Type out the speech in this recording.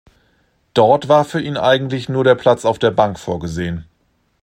Dort war für ihn eigentlich nur der Platz auf der Bank vorgesehen.